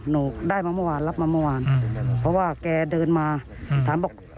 หนูได้มาเมื่อวานรับมาเมื่อวานเพราะว่าแกเดินมาถามบอก